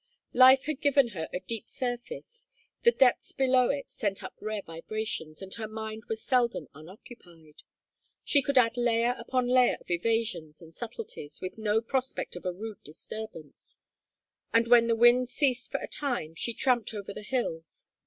Life had given her a deep surface; the depths below it sent up rare vibrations; and her mind was seldom unoccupied. She could add layer upon layer of evasions and subtleties with no prospect of a rude disturbance; and when the wind ceased for a time she tramped over the hills.